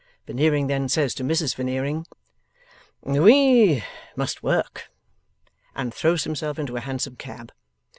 Veneering then says to Mrs Veneering, 'We must work,' and throws himself into a Hansom cab.